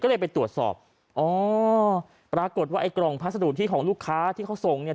ก็เลยไปตรวจสอบอ๋อปรากฏว่าไอ้กล่องพัสดุที่ของลูกค้าที่เขาส่งเนี่ย